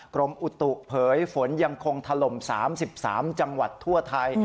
กรมอุตุเผยฝนยังคงถล่ม๓๓จังหวัดทั่วไทย